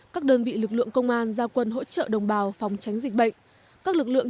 các đơn vị lực lượng công an giao quân hỗ trợ đồng bào phòng tránh dịch bệnh các lực lượng